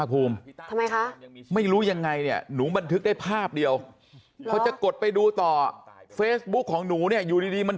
พี่ภาคภูมิ